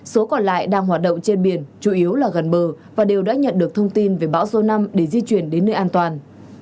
số còn lại đang hoạt động trên biển chủ yếu là gần bờ và đều đã nhận được thông tin về bão số năm để di chuyển đến nơi an toàn